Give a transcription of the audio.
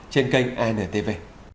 trên kênh antv